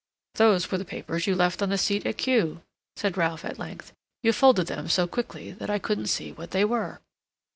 "Those were the papers you left on the seat at Kew," said Ralph at length. "You folded them so quickly that I couldn't see what they were."